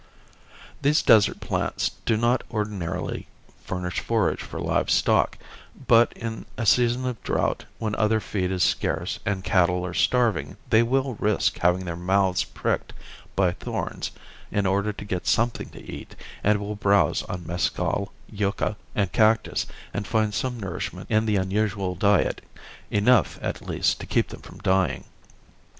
These desert plants do not ordinarily furnish forage for live stock, but in a season of drought when other feed is scarce and cattle are starving they will risk having their mouths pricked by thorns in order to get something to eat and will browse on mescal, yucca and cactus and find some nourishment in the unusual diet, enough, at least, to keep them from dying.